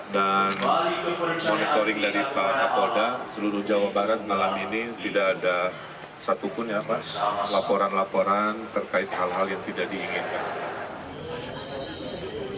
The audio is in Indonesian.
dan monitoring dari pak kapolda seluruh jawa barat malam ini tidak ada satu pun laporan laporan terkait hal hal yang tidak diinginkan